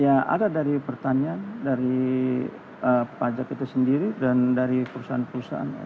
ya ada dari pertanian dari pajak itu sendiri dan dari perusahaan perusahaan